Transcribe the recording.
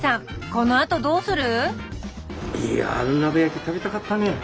このあとどうする？